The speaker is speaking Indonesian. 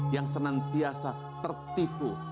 yang senantiasa tertipu